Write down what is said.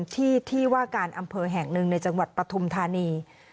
ที่ที่ว่าการอำเภอแห่งหนึ่งในจังหวัดปฐุมธานี